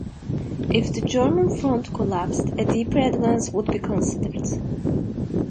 If the German front collapsed, a deeper advance would be considered.